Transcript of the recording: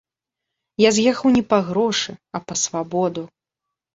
Я з'ехаў не па грошы, а па свабоду.